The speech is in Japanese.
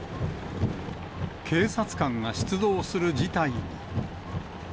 警察官が出動する事態に。